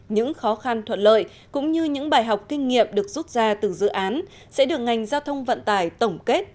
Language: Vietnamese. những khó khăn thuận lợi cũng như những bài học kinh nghiệm được rút ra từ dự án sẽ được ngành giao thông vận tải tổng kết